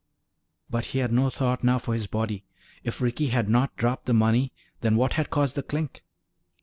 But he had no thought now for his body. If Ricky had not dropped the money, then what had caused the clink?